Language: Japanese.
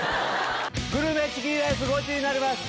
グルメチキンレースゴチになります！